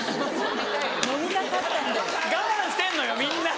我慢してんのよみんな。